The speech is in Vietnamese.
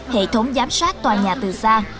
hệ thống giám sát tòa nhà từ xa